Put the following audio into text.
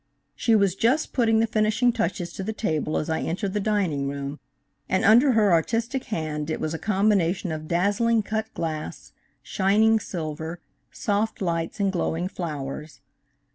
She was just putting the finishing touches to the table as I entered the dining room, and under her artistic hand it was a combination of dazzling cut glass, shining silver, soft lights and glowing flowers.